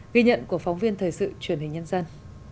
ghi nhận của phóng viên thời sự truyền hình nhân dân